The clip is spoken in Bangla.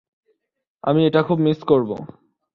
আমি এটা খুব মিস করবো।